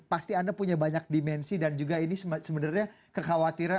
pasti anda punya banyak dimensi dan juga ini sebenarnya kekhawatiran